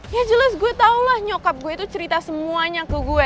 ya jelas gue tau lah nyokap gue itu cerita semuanya ke gue